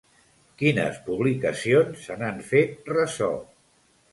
Quines publicacions se n'han fet ressò?